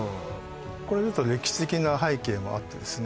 これちょっと歴史的な背景もあってですね